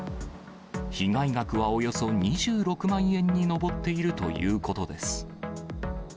被害額はおよそ２６万円に上っているということです。